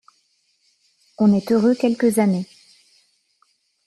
On est heureux quelques années.